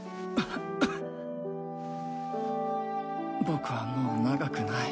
ボクはもう長くない。